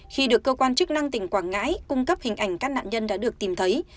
khi được cơ quan chức năng tỉnh quảng ngãi cung cấp hình ảnh các nạn nhân đã được tìm thấy